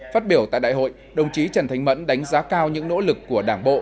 phát biểu tại đại hội đồng chí trần thánh mẫn đánh giá cao những nỗ lực của đảng bộ